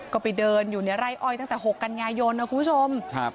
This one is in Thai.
ก็ไปเดินอยู่ในไร้อ่อยตั้งแต่หกกันยายนคุณผู้ชมครับ